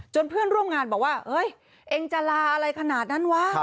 เพื่อนร่วมงานบอกว่าเฮ้ยเองจะลาอะไรขนาดนั้นวะ